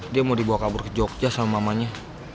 dia mau dibawa kabur ke jogja sama mamanya